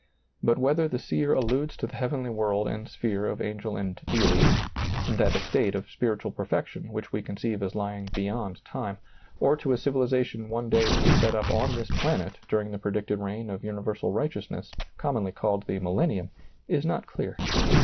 But whether the seer alludes to the heavenly world and sphere of angel and deity — that estate of spiritual per fection which we conceive as lying beyond time — or to a civilization one day to be set up on this planet during the predicted reign of universal righteousness, commonly called the millentum, is not clear.